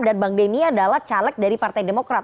dan bang deni adalah caleg dari partai demokrat